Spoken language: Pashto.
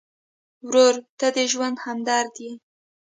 ورور ته د ژوند همدرد یې.